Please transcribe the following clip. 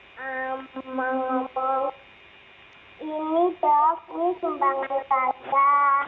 mau ngomong ini dok ini sumbangan tante